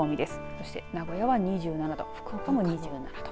そして名古屋は２７度福岡も２７度。